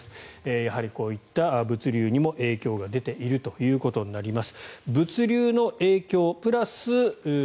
やはりこういった物流にも影響が出ているということになります。